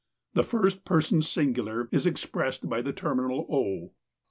The first person singular is ex pressed by the terminal " o."